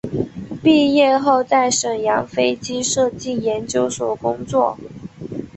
毕业后在沈阳飞机设计研究所工作。